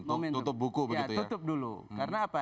tutup dulu karena apa